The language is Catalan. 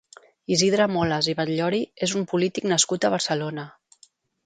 Isidre Molas i Batllori és un polític nascut a Barcelona.